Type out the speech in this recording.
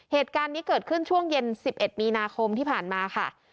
เหตุการณ์นี้เกิดขึ้นช่วงเย็น๑๑มีนาคมที่ผ่านมาค่ะ